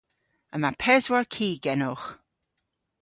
Yma peswar ki genowgh.